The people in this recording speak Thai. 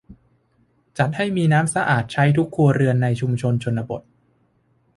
จัดให้มีน้ำสะอาดใช้ทุกครัวเรือนในชุมชนชนบท